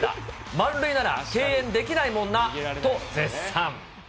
満塁なら敬遠できないもんなと絶賛。